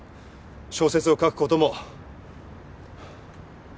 小説を書くことも。